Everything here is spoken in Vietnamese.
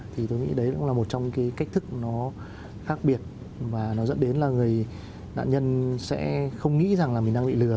thì tôi nghĩ đấy cũng là một trong cái cách thức nó khác biệt và nó dẫn đến là người nạn nhân sẽ không nghĩ rằng là mình đang bị lừa